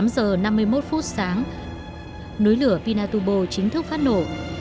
tám giờ năm mươi một phút sáng núi lửa pinatubo chính thức phát nổ